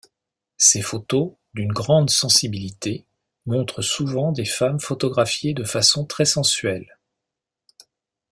Ses photos, d’une grande sensibilité, montrent souvent des femmes photographiées de façon très sensuelles.